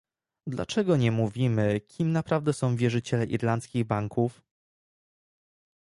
Dlaczego nie mówimy, kim naprawdę są wierzyciele irlandzkich banków?